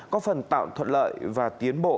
có phần tạo thuận lợi và tiến bộ